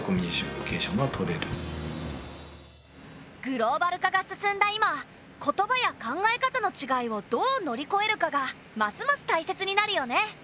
グローバル化が進んだ今言葉や考え方のちがいをどう乗りこえるかがますますたいせつになるよね。